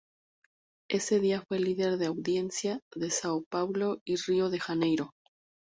Ese día fue líder de audiencia en São Paulo y Río de Janeiro.